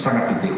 saya belum dikaji